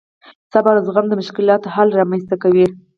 صبر او زغم د مشکلاتو حل رامنځته کوي.